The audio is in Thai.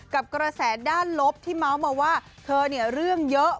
กระแสด้านลบที่เมาส์มาว่าเธอเนี่ยเรื่องเยอะ